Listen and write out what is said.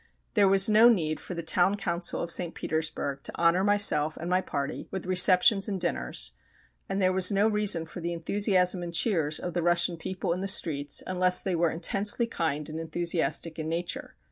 There was no need for the Town Council of St. Petersburg to honour myself and my party with receptions and dinners, and there was no reason for the enthusiasm and cheers of the Russian people in the streets unless they were intensely kind and enthusiastic in nature.